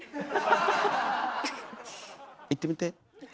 いってみて。